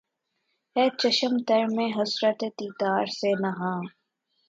ھے چشم تر میں حسرت دیدار سے نہاں